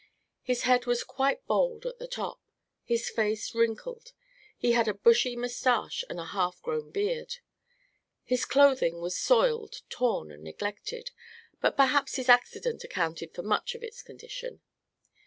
His head was quite bald at the top; his face wrinkled; he had a bushy mustache and a half grown beard. His clothing was soiled, torn and neglected; but perhaps his accident accounted for much of its condition.